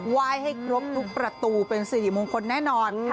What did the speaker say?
ไหว้ให้ครบทุกประตูเป็นสิริมงคลแน่นอน